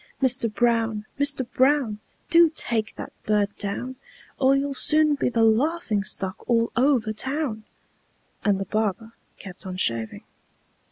Mister Brown! Mister Brown! Do take that bird down, Or you'll soon be the laughing stock all over town!" And the barber kept on shaving.